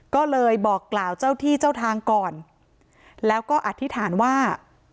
ก็เลยบอกกล่าวเจ้าที่เจ้าทางก่อนแล้วก็อธิษฐานว่า